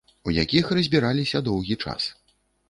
У якіх разбіраліся доўгі час.